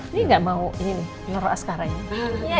ini gak mau ini nih nunggu aru askaranya